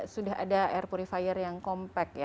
sudah ada air purifier yang compact